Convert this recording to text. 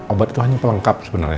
obat itu hanya pelengkap sebenarnya